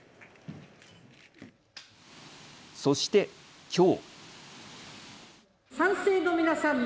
そして、きょう。